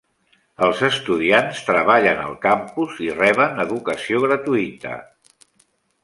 Els estudiants treballen al campus i reben educació gratuïta.